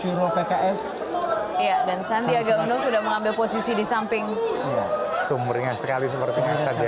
juro pks dan sandiaga uno sudah mengambil posisi di samping sumbernya sekali seperti